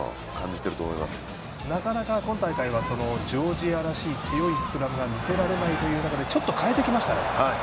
なかなか、今大会はジョージアらしい強いスクラムが見せられないというところでちょっと変えてきましたね。